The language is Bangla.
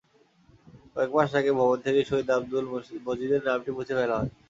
কয়েক মাস আগে ভবন থেকে শহীদ আব্দুল মজিদের নামটি মুছে ফেলা হয়।